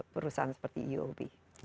perusahaan seperti uob